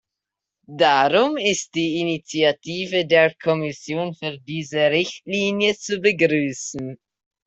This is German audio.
Darum ist die Initiative der Kommission für diese Richtlinie zu begrüßen.